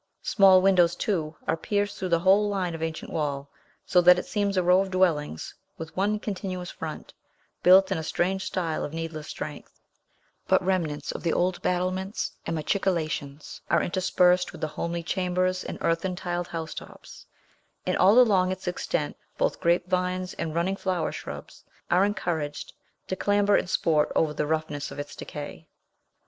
Small windows, too, are pierced through the whole line of ancient wall, so that it seems a row of dwellings with one continuous front, built in a strange style of needless strength; but remnants of the old battlements and machicolations are interspersed with the homely chambers and earthen tiled housetops; and all along its extent both grapevines and running flower shrubs are encouraged to clamber and sport over the roughness of its decay.